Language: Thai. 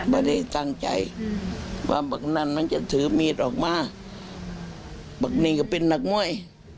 ไม่ได้ตั้งใจว่านั่นมันจะถือมีดออกมาบอกนี่ก็เป็นนักมวย